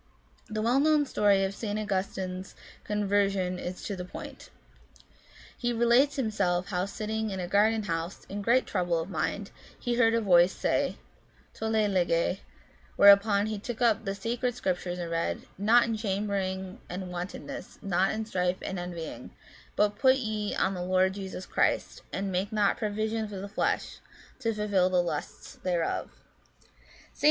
The well known story of St. Augustine's conver sion is to the point. He relates himself how sitting in a garden house, in great trouble of mind, he heard a voice say, " ToUe, lege "; whereupon he took up the sacred Scriptures and read, " Not in chambering and wantonness, not in strife and envying ; but put ye on the Lord Jesus Christ, and make not provision for the flesh, to fulfil the lusts thereof" (Rom. xiii. St.